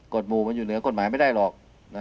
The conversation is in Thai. หมู่มันอยู่เหนือกฎหมายไม่ได้หรอก